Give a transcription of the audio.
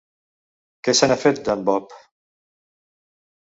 Què se n'ha fet d'en Bob?